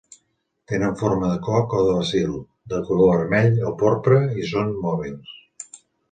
Tenen forma de coc o de bacil, de color vermell o porpra i són mòbils.